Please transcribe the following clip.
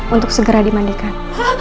untuk segera dimandikan